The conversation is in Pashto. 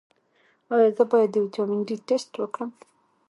ایا زه باید د ویټامین ډي ټسټ وکړم؟